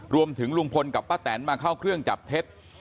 ลุงพลกับป้าแตนมาเข้าเครื่องจับเท็จ